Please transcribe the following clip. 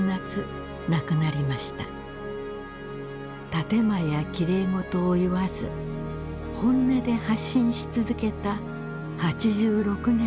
建て前やきれい事を言わず本音で発信し続けた８６年の生涯でした。